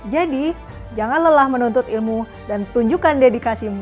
jadi jangan lelah menuntut ilmu dan tunjukkan dedikasi mu